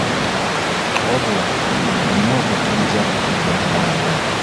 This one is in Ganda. Wabula, nnina okukkiriza nti tujja kuwangula.